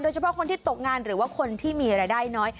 เฉพาะคนที่ตกงานหรือว่าคนที่มีรายได้น้อย